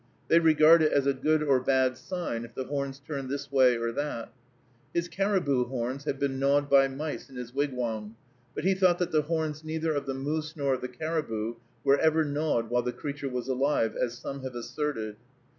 They regard it as a good or bad sign, if the horns turn this way or that. His caribou horns had been gnawed by mice in his wigwam, but he thought that the horns neither of the moose nor of the caribou were ever gnawed while the creature was alive, as some have asserted.